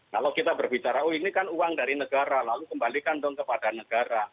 kalau kita berbicara oh ini kan uang dari negara lalu kembalikan dong kepada negara